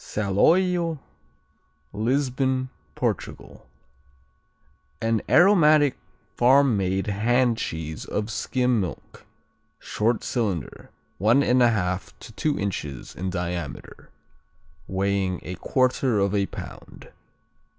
Saloio Lisbon, Portugal An aromatic farm made hand cheese of skim milk. Short cylinder, 1 1/2 to two inches in diameter, weighing a quarter of a pound.